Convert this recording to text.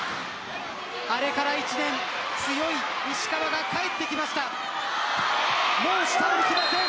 あれから１年強い石川が帰ってきました。